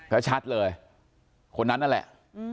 ก็ชัดเลยคนนั้นนั่นแหละ